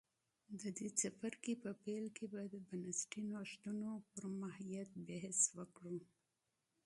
د دې څپرکي په پیل کې به د بنسټي نوښتونو پر ماهیت بحث وکړو